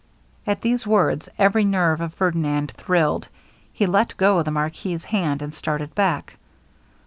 At these words every nerve of Ferdinand thrilled; he let go the marquis's hand and started back.